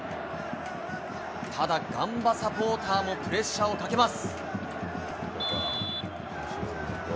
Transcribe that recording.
ただ、ガンバサポーターもプレッシャーをかけます。